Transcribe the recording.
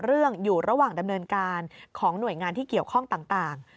เรื่องอยู่ระหว่างดำเนินการของหน่วยงานที่เกี่ยวข้องต่าง